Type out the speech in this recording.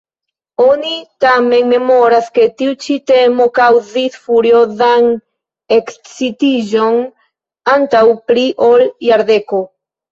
Oni tamen memoras, ke tiu ĉi temo kaŭzis furiozan ekscitiĝon antaŭ pli ol jardeko.